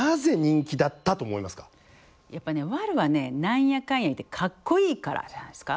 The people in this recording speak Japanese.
やっぱりワルは何やかんや言ってカッコいいからじゃないですか。